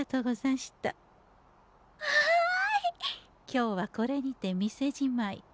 今日はこれにて店じまい。